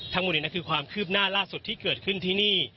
ทั้งหมดนี้คือความคืบหน้าล่าสุดที่เกิดขึ้นที่นี่